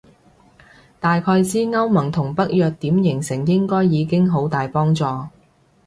大概知歐盟同北約點形成應該已經好大幫助